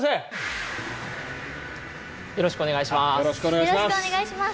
よろしくお願いします。